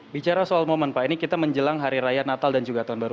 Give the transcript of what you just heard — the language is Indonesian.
bicara soal momen pak ini kita menjelang hari raya natal dan juga tahun baru